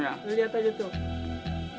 lihat aja tuh